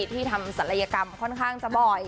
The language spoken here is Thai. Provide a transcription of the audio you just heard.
ที่ทำศัลยกรรมค่อนข้างจะบ่อย